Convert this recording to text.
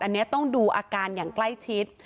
อันนี้ต้องดูอาการอย่างใกล้ชิด